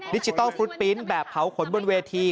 ดิจิทัลฟุตปริ้นต์แบบเผาขนบนเวที